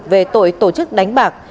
về tội tổ chức đánh bạc